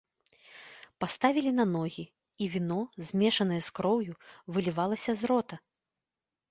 Паставілі на ногі, і віно, змешанае з кроўю, вылівалася з рота.